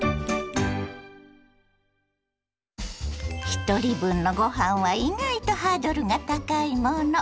ひとり分のごはんは意外とハードルが高いもの。